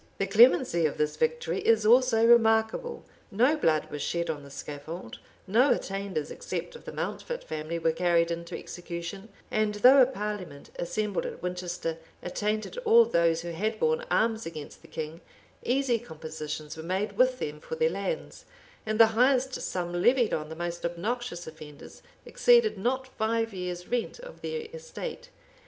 The clemency of this victory is also remarkable; no blood was shed on the scaffold; no attainders, except of the Mountfort family, were carried into execution; and though a parliament, assembled at Winchester, attainted all those who had borne arms against the king, easy compositions were made with them for their lands;[*] and the highest sum levied on the most obnoxious offenders exceeded not five years' rent of their estate.